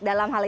dalam hal ini